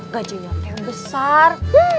gajah nyotel besar